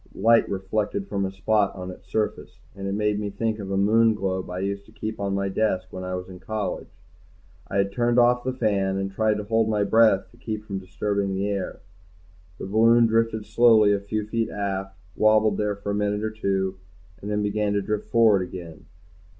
Light reflected from a spot on its surface, and it made me think of a Moonglobe I used to keep on my desk when I was in college. I had turned off the fan, and tried to hold my breath to keep from disturbing the air. The balloon drifted slowly a few feet aft, wobbled there for a minute or two, then began to drift forward again.